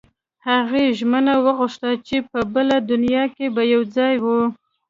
هغې ژمنه وغوښته چې په بله دنیا کې به یو ځای وو